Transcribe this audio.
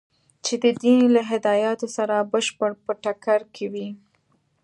چې د دین له هدایاتو سره بشپړ په ټکر کې وي.